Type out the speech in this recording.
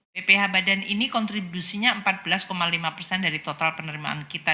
pph badan ini kontribusinya empat belas lima persen dari total penerimaan kita